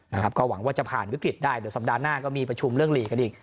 นะครับก็หวังว่าจะผ่านวิกฤตได้เดี๋ยวสัปดาห์หน้าก็มีประชุมเรื่องหลีกกันอีก